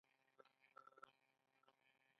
آیا کاناډا د بریښنا شرکتونه نلري؟